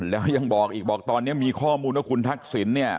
แล้วยังบอกตอนนี้มีข้อมูลว่าคุณทักศิลป์